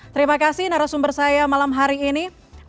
terima kasih narasumber saya malam hari ini